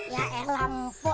ya eh lampu